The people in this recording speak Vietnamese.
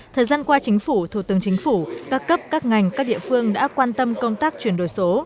thời gian qua chính phủ thủ tướng chính phủ các cấp các ngành các địa phương đã quan tâm công tác chuyển đổi số